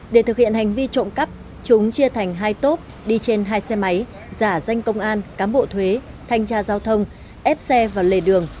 để thực hiện hành vi trộm cắp chúng chia thành hai tốp đi trên hai xe máy giả danh công an cán bộ thuế thanh tra giao thông ép xe vào lề đường